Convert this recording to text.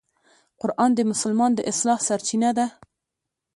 قرآن د مسلمان د اصلاح سرچینه ده.